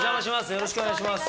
よろしくお願いします。